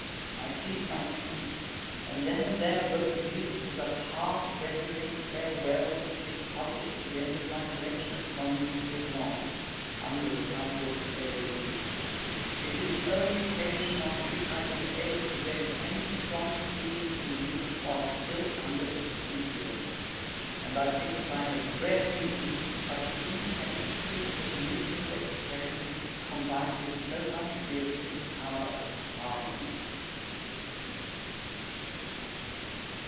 I seized my pen, and then and there wrote the music to that heart rending farewell, which is published at the end of my collection of songs, 'Irlande,' under the title of 'Elégie.' This is the only occasion on which I have been able to vent any strong feeling in music while still under its influence. And I think that I have rarely reached such intense truth of musical expression, combined with so much realistic power of harmony.